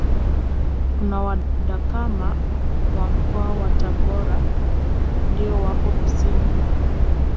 Kuna wadakama wa Mkoa wa Tabora ndio wapo kusini